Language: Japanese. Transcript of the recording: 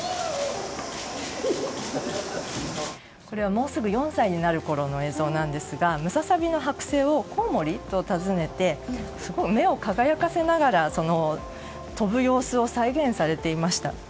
これはもうすぐ４歳になるころの映像なんですがムササビのはく製をコウモリ？と尋ねられて目を輝かせながら飛ぶ様子を再現されていました。